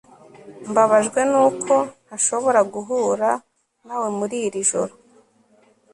Mbabajwe nuko ntashobora guhura nawe muri iri joro